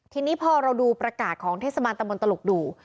ทีนี้พอเราดูประกาศของเทศบาลตะมนตลกดู